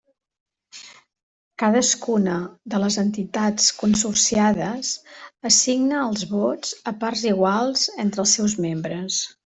Cadascuna de les entitats consorciades assigna els vots a parts iguals entre els seus membres.